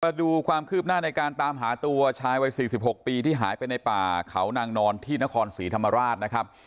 มาดูความคืบหน้าในการตามหาตัวชายวัย๔๖ปีที่หายไปในป่าเขานางนอนที่นครศรีธรรมราชนะครับ